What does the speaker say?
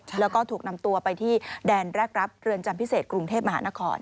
แล้วก็ถูกนำตัวไปที่แดนแรกรับเรือนจำพิเศษกรุงเทพมหานคร